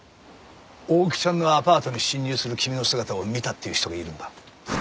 大木ちゃんのアパートに侵入する君の姿を見たっていう人がいるんだ。